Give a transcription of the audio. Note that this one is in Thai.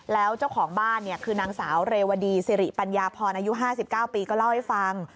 แล้วเจ้าของบ้านคือนางสาวเรวดีสิริปัญญาพรอายุ๕๙ปีก็เล่าให้ฟัง